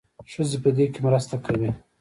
ښځې په دې کې مرسته کوي.